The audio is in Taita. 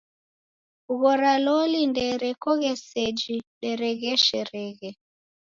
Kughora loli ndeerekoghe seji deregheshereghe.